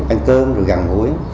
ăn cơm rồi gần ngủi